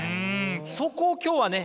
そこを今日はね